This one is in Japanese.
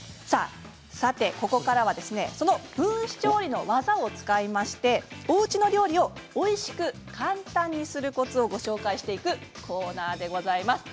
ここからはその分子調理の技を使っておうちの料理をおいしく簡単にするコツをご紹介していくコーナーです。